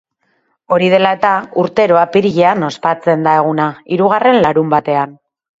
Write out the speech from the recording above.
Hori dela-eta, urtero apirilean ospatzen da eguna, hirugarren larunbatean.